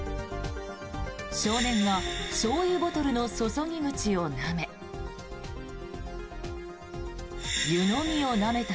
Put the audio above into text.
少年がしょうゆボトルの注ぎ口をなめ湯飲みをなめた